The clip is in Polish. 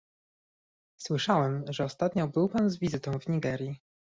Słyszałem, że ostatnio był pan z wizytą w Nigerii